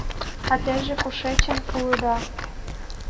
— А теже кушечын улыда?